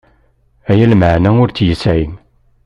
Aya lmeεna ur tt-yesεi.